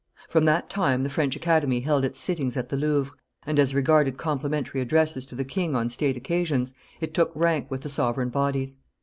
From that time, the French Academy held its sittings at the Louvre, and, as regarded complimentary addresses to the king on state occasions, it took rank with the sovereign bodies.